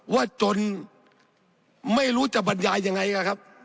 ว่าจนไม่รู้จะบรรยายยังไงนะครับ